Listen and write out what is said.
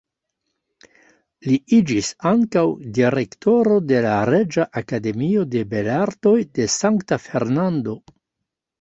Li iĝis ankaŭ direktoro de la Reĝa Akademio de Belartoj de Sankta Fernando.